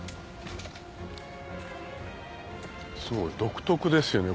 すごい独特ですよね